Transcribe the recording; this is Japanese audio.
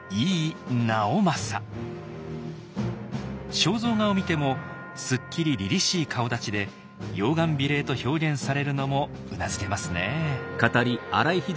肖像画を見てもすっきりりりしい顔だちで「容顔美麗」と表現されるのもうなずけますねぇ。